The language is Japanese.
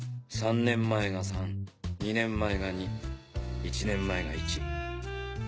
３年前が３２年前が２１年前が１。